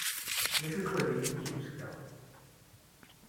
D acu-t wahil-nnek i uzekka?